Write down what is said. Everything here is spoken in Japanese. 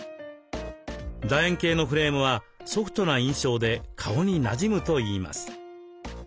楕円形のフレームはソフトな印象で顔になじむといいます。